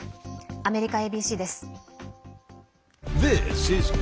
アメリカＡＢＣです。